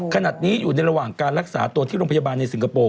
ขณะนี้อยู่ในระหว่างการรักษาตัวที่โรงพยาบาลในสิงคโปร์